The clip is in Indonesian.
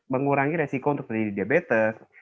mengurangi resiko untuk terjadi diabetes